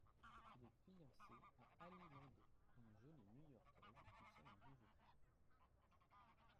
Il est fiancé à Ali Landow, une jolie New-Yorkaise qui tient une bijouterie.